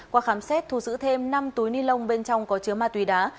qua khám xét thu giữ thêm năm túi ni lông bên trong có chứa ma túy đá